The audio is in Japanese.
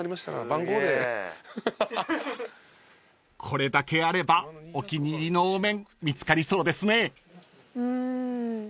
［これだけあればお気に入りのお面見つかりそうですね］